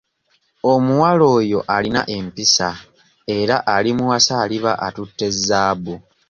Omuwala oyo alina empisa era alimuwasa aliba atutte zaabu.